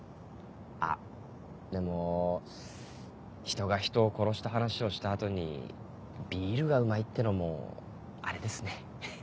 あっでも人が人を殺した話をした後にビールがうまいってのもあれですね。